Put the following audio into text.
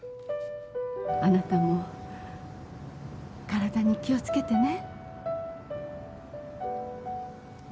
あなたも体に気を付けてね